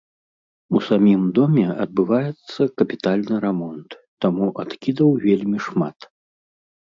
У самім доме адбываецца капітальны рамонт, таму адкідаў вельмі шмат.